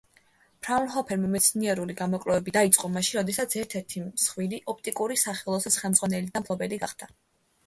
ფრაუნჰოფერმა მეცნიერული გამოკვლევები დაიწყო მაშინ, როდესაც ერთ-ერთი მსხვილი ოპტიკური სახელოსნოს ხელმძღვანელი და მფლობელი გახდა.